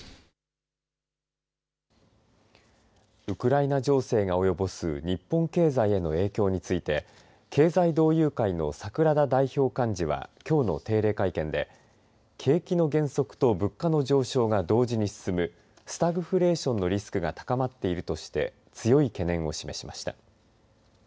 ウクライナ情勢が及ぼす日本経済への影響について経済同友会の櫻田代表幹事はきょうの定例会見で景気の減速と物価の上昇が同時に進むスタグフレーションのリスクが高まっているとして強い懸念を示しました。